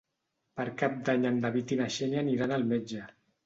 Per Cap d'Any en David i na Xènia aniran al metge.